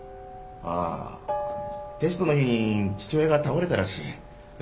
ああテストの日に父親が倒れたらしい。